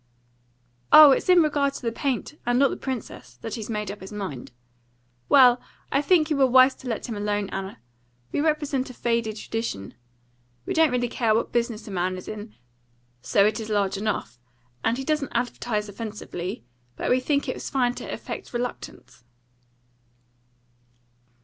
"Oh! it's in regard to the paint, and not the princess, that he's made up his mind. Well, I think you were wise to let him alone, Anna. We represent a faded tradition. We don't really care what business a man is in, so it is large enough, and he doesn't advertise offensively; but we think it fine to affect reluctance."